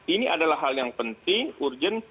ini adalah hal yang penting urgent